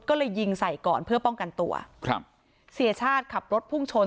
ก็เลยยิงใส่ก่อนเพื่อป้องกันตัวครับเสียชาติขับรถพุ่งชน